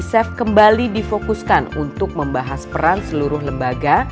chef kembali difokuskan untuk membahas peran seluruh lembaga